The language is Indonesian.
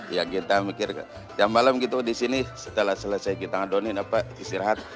ya kita mikir jam malam gitu di sini setelah selesai kita adonin apa istirahat